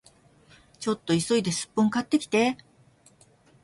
ちょっと急いでスッポン買ってきて